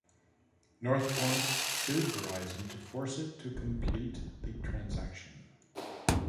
Northpoint sued Verizon to force it to complete the transaction.